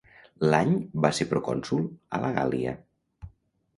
L'any va ser procònsol a la Gàl·lia.